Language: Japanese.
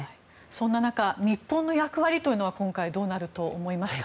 そんな中、日本の役割は今回どうなると思いますか？